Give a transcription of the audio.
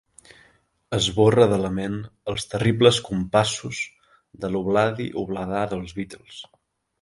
Esborra de la ment els terribles compassos de l'Obladi-Obladà dels Beatles.